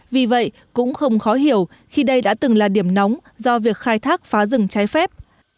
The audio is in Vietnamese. vì vậy cũng không khó hiểu khi đây đã từng là điểm nóng do việc khai thác phá rừng trái phép